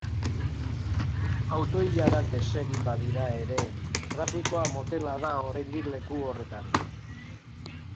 Auto-ilarak desegin badira ere, trafikoa motela da oraindik leku horretan.